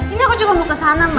indah aku juga mau kesana mas